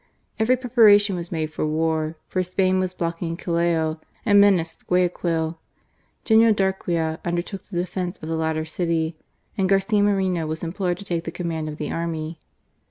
Every preparation was made for war, for Spain was blocking Callao and menaced Guayaquil. General Darquea undertook the defence of the latter city, and Garcia Moreno was implored to take the command of the army.